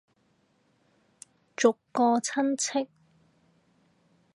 逐個親戚